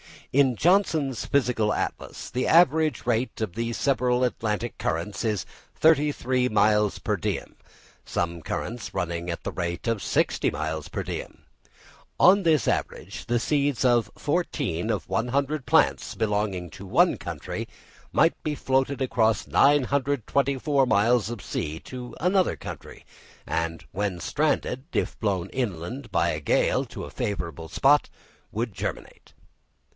In Johnston's Physical Atlas, the average rate of the several Atlantic currents is thirty three miles per diem (some currents running at the rate of sixty miles per diem); on this average, the seeds of 14/100 plants belonging to one country might be floated across 924 miles of sea to another country; and when stranded, if blown by an inland gale to a favourable spot, would germinate.